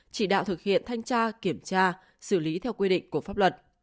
chỉ đạo thực hiện thanh tra kiểm tra xử lý theo quy định của pháp luật